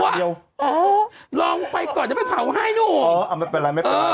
ไม่รู้อ่ะอ๋อลองไปก่อนจะไปเผาให้หนุ่มอ๋ออ่ะไม่เป็นไรไม่เป็นไร